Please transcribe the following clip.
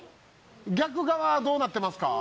逆側はどうなってますか？